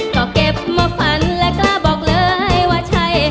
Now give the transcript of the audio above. ก็เก็บมาฝันและกล้าบอกเลยว่าใช่